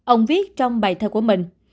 ông viết trong bài thơ của mình